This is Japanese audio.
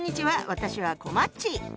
私はこまっち。